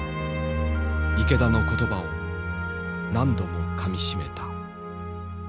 池田の言葉を何度もかみしめた。